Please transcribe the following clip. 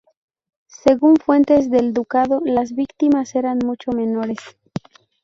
Según fuentes del ducado, las víctimas eran mucho menores.